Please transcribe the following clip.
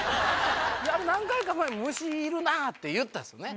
あれ、何回か、虫いるなあって言ったんですよね。